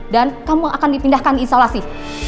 dan kamu akan ditindahkan di isolasi